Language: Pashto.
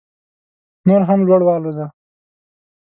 نور هم لوړ والوځه